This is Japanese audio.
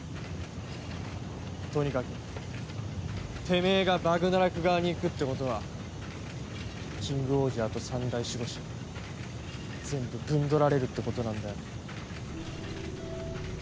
とにかくてめえがバグナラク側に行くってことはキングオージャーと三大守護神全部ぶん取られるってことなんだよ。